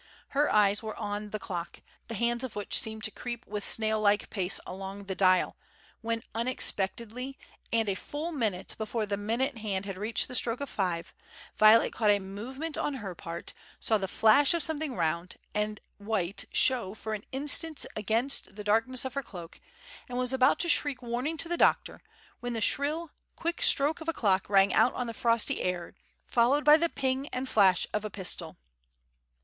Her eyes were on the clock, the hands of which seemed to creep with snail like pace along the dial, when unexpectedly, and a full minute before the minute hand had reached the stroke of five, Violet caught a movement on her part, saw the flash of something round and white show for an instant against the darkness of her cloak, and was about to shriek warning to the doctor, when the shrill, quick stroke of a clock rang out on the frosty air, followed by the ping and flash of a pistol.